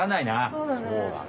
そうだね。